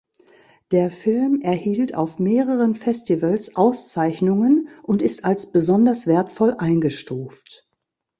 Der Film erhielt auf mehreren Festivals Auszeichnungen und ist als "Besonders wertvoll" eingestuft.